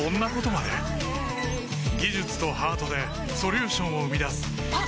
技術とハートでソリューションを生み出すあっ！